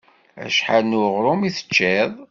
Acḥal n uɣrum i teččiḍ?